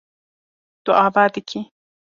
Tu ava dikî.